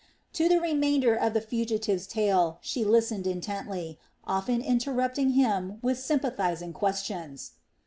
To the remainder of the fugitive's tale she listened intently, often interrupting him with sympathizing questions.